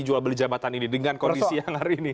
jual beli jabatan ini dengan kondisi yang hari ini